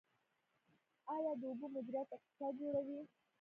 آیا د اوبو مدیریت اقتصاد جوړوي؟